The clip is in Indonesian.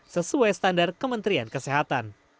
sesuai standar kementerian kesehatan